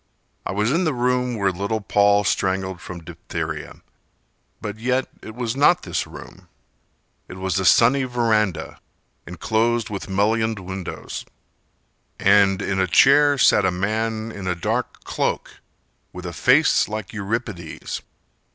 I was in the room where little Paul Strangled from diphtheria, But yet it was not this room— It was a sunny verandah enclosed With mullioned windows And in a chair sat a man in a dark cloak With a face like Euripides.